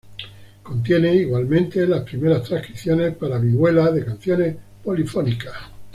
Contiene igualmente las primeras transcripciones para vihuela de canciones polifónicas.